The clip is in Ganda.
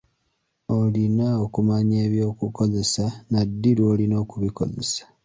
Olina okumanya eky'okukozesa na ddi lw'olina okukikozesa.